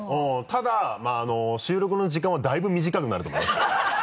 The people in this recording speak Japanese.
ただまぁ収録の時間はだいぶ短くなると思いますよ。